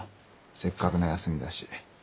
せっかくの休みだし。